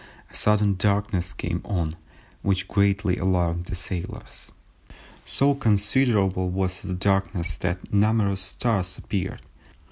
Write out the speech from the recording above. a sudden darkness came on which greatly alarmed the sailors. So considerable was the darkness, that numerous stars appeared.